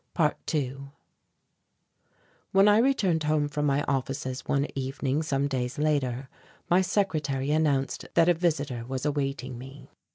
~2~ When I returned home from my offices one evening some days later, my secretary announced that a visitor was awaiting me.